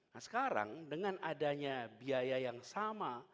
nah sekarang dengan adanya biaya yang sama